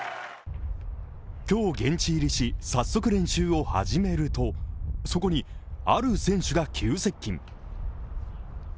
今日、現地入りし、早速練習を始めるとそこに、ある選手が急接近。